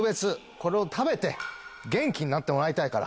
これを食べて元気になってもらいたいから。